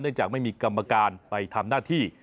จากไม่มีกรรมการไปทำหน้าที่